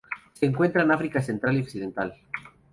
Se encuentra en África central y occidental.